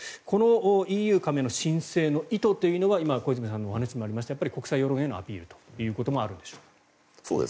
このＥＵ加盟の申請の意図というのは今、小泉さんのお話もありました国際世論へのアピールということもあるんでしょう。